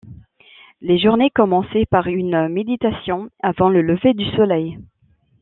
Les journées commençaient par une méditation avant le lever du soleil.